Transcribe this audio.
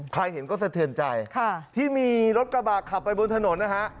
ใครเห็นก็สะเทือนใจที่มีรถกระบะขับไปบนถนนนะฮะ